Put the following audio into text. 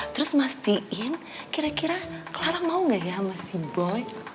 terus mastiin kira kira clara mau nggak ya sama si boy